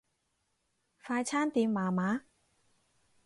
快餐店麻麻